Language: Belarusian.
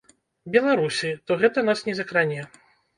Беларусі, то гэта нас не закране.